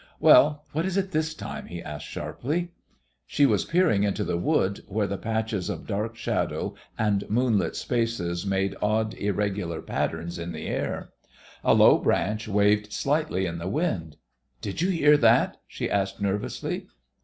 "Well, what is it this time?" he asked sharply. She was peering into the wood, where the patches of dark shadow and moonlit spaces made odd, irregular patterns in the air. A low branch waved slightly in the wind. "Did you hear that?" she asked nervously.